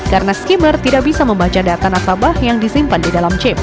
karena skimmer tidak bisa membaca data nasabah yang disimpan di dalam chip